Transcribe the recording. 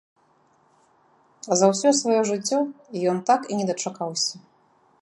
За ўсё сваё жыццё ён так і не дачакаўся.